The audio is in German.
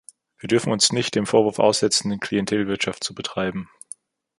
Wir dürfen uns nicht dem Vorwurf aussetzen, Klientelwirtschaft zu betreiben.